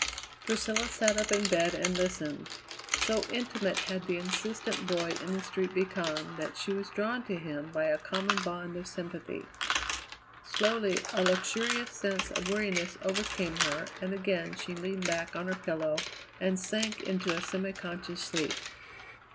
Priscilla sat up in bed and listened. So intimate had the insistent boy in the street become that she was drawn to him by a common bond of sympathy. Slowly a luxurious sense of weariness overcame her and again she leaned back on her pillow and sank into a semiconscious sleep.